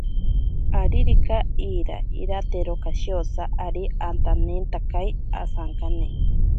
Aririka iira iratero kashiyosa ari atanentakei asankane.